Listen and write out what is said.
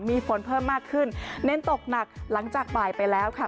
มีฝนเพิ่มมากขึ้นเน้นตกหนักหลังจากบ่ายไปแล้วค่ะ